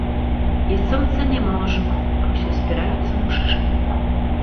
І сонца няма ўжо, а ўсё спіраюцца мужчыны.